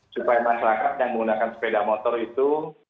supaya masyarakat yang menggunakan sepeda motor itu